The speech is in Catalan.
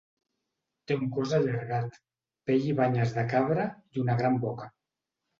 Té un cos allargat, pell i banyes de cabra i una gran boca.